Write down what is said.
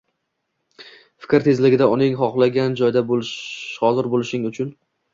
— Fikr tezligida o‘zing xohlagan joyda hozir bo‘lishing uchun